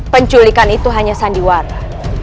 penculikan itu hanya sandiwara